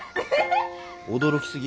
驚き過ぎ。